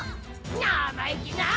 なまいきな！